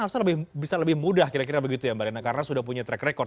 harusnya bisa lebih mudah kira kira begitu ya mbak rena karena sudah punya track record